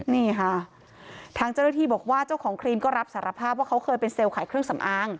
นี่ค่ะทางเจ้าหน้าที่บอกว่าเจ้าของครีมก็รับสารภาพว่าเขาเคยเป็นเซลล์ขายเครื่องสำอาง